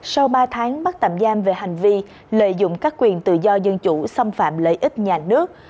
sau ba tháng bắt tạm giam về hành vi lợi dụng các quyền tự do dân chủ xâm phạm lợi ích nhà nước